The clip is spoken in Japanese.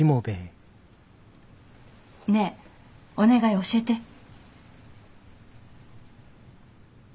ねえお願い教えて。